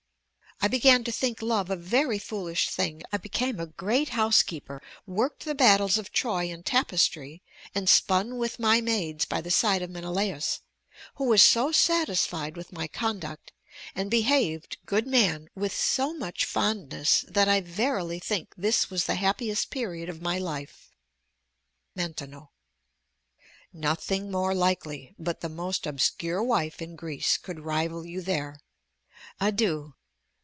I began to think love a very foolish thing: I became a great housekeeper, worked the battles of Troy in tapestry, and spun with my maids by the side of Menelaus, who was so satisfied with my conduct, and behaved, good man, with so much fondness, that I verily think this was the happiest period of my life. Maintenon Nothing more likely; but the most obscure wife in Greece could rival you there. Adieu!